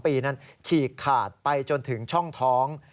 ปีนั้นฉีกขาดไปจนถึงช่องท้อง